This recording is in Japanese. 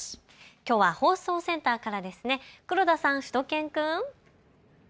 きょうは放送センターからですね、黒田さん、しゅと犬くん。